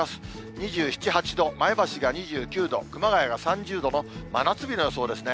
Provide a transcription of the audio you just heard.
２７、８度、前橋が２９度、熊谷が３０度の真夏日の予想ですね。